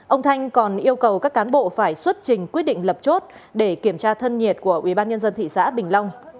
ông thanh còn yêu cầu các cán bộ phải xuất trình quyết định lập chốt để kiểm tra thân nhiệt của ubnd thị xã bình long